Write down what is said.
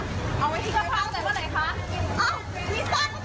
ดูคลิปก่อนงั้นไปดูคลิปก่อน